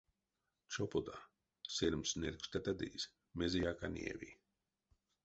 Чопода, сельмс нерьгстатадызь, мезеяк а неяви.